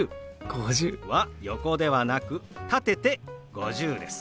５０。は横ではなく立てて「５０」です。